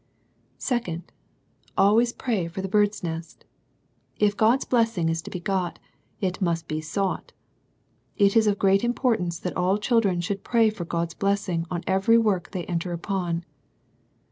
2nd. Always /ray ^ the ''^Bird's Nesty If God's blessing is to be got, it must be sought It is of great importance that all children should pray for God's blessing on every work they enter upon.